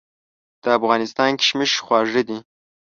د افغانستان کشمش خواږه دي.